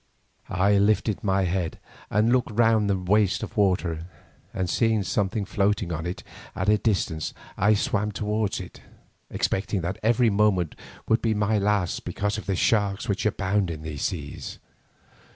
I lifted my head and looked round the waste of water, and seeing something floating on it at a distance, I swam towards it, expecting that every moment would be my last, because of the sharks which abound in these seas.